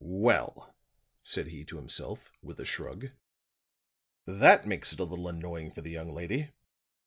"Well," said he to himself with a shrug, "that makes it a little annoying for the young lady.